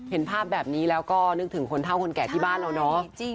เห็นภาพแบบนี้แล้วก็นึกถึงคนเท่าคนแก่ที่บ้านเราเนาะ